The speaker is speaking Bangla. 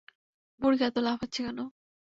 মুরগি এত লাফাচ্ছে কেন?